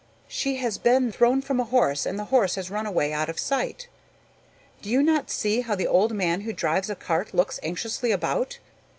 She has been thrown from a horse and the horse has run away out of sight. Do you not see how the old man who drives a cart looks anxiously about?